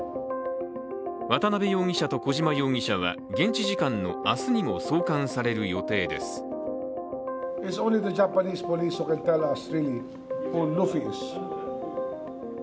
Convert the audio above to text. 渡辺容疑者と小島容疑者は現地時間の明日にも送還される予定です。